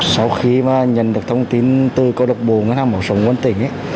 sau khi mà nhận được thông tin từ cơ độc bồ ngân hàng bảo sống nguyễn tĩnh